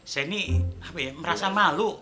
saya ini merasa malu